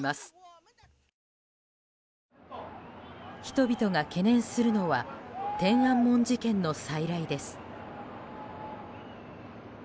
人々が懸念するのは天安門事件の再来です。